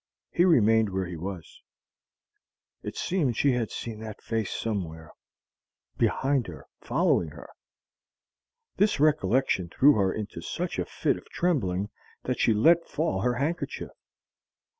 He remained where he was. It seemed she had seen that face somewhere behind her, following her. This recollection threw her into such a fit of trembling that she let fall her handkerchief.